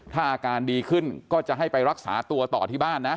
ถ้าอาการดีขึ้นก็จะให้ไปรักษาตัวต่อที่บ้านนะ